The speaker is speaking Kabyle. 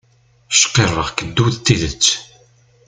Cqirreɣ-k ddu d tidet!